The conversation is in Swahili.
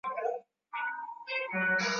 abiria wanane walikuwa daraja la tatu